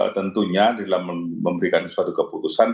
tentunya dalam memberikan suatu keputusan